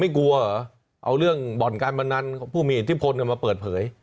ไม่กลัวหรอเอาเรื่องบ่อนการบรรดนันต์ผู้มีอิทธิพลหน่อยมาเปิดเผย